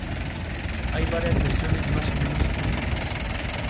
Las Escuelas de Charlotte-Mecklenburg gestiona escuelas públicas.